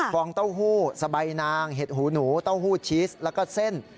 องเต้าหู้สบายนางเห็ดหูหนูเต้าหู้ชีสแล้วก็เส้น